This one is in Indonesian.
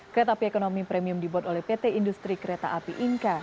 kereta api ekonomi premium dibuat oleh pt industri kereta api inka